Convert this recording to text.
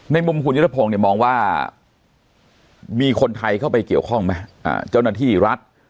มุมคุณยุทธพงศ์เนี่ยมองว่ามีคนไทยเข้าไปเกี่ยวข้องไหมเจ้าหน้าที่รัฐ